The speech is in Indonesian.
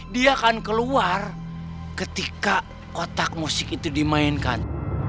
dia akan keluar ketika kotak musik itu dimainkan